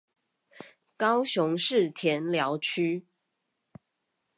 高雄市田寮區